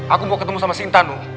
aku mau ketemu sama sinta nu